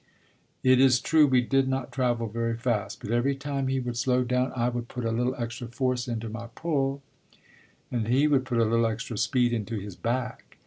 It is true we did not travel very fast but every time he would slow down, I would put a little extra force into my pull and he would put a little extra speed into his back.